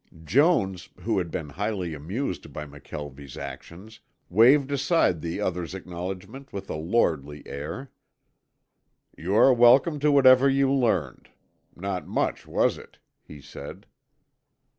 Jones, who had been highly amused by McKelvie's actions, waived aside the other's acknowledgment with a lordly air. "You are welcome to whatever you learned. Not much, was it?" he said.